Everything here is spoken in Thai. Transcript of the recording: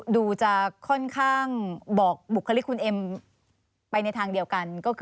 ดูจะค่อนข้างบอกบุคลิกคุณเอ็มไปในทางเดียวกันก็คือ